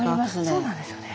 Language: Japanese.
そうなんですよね。